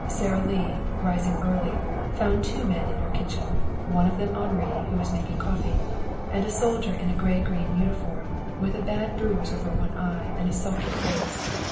Sara Lee, rising early, found two men in her kitchen one of them Henri, who was making coffee, and a soldier in a gray green uniform, with a bad bruise over one eye and a sulky face.